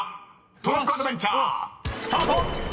トロッコアドベンチャースタート！］